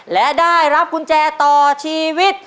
และได้รับกุญแจต่อชีวิต